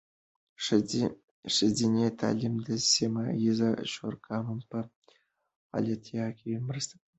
ښځینه تعلیم د سیمه ایزې شوراګانو په فعالتیا کې مرسته کوي.